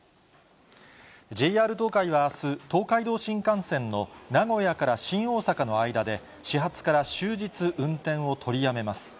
ＪＲ東海はあす、東海道新幹線の名古屋から新大阪の間で、始発から終日、運転を取りやめます。